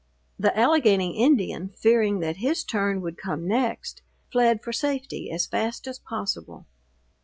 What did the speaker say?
The Allegany Indian, fearing that his turn would come next, fled for safety as fast as possible.